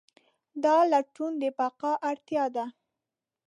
دا لټون د بقا اړتیا ده.